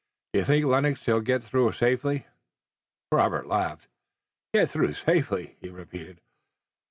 Do you think, Lennox, that he'll get through safely?" Robert laughed. "Get through safely?" he repeated.